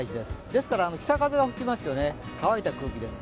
ですから北風が吹きますよね、乾いた空気です。